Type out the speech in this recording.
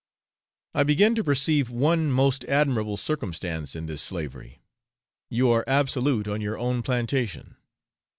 I begin to perceive one most admirable circumstance in this slavery: you are absolute on your own plantation.